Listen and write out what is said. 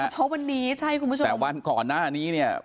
เพราะวันนี้ใช่คุณผู้ชมแต่วันก่อนหน้านี้เนี่ย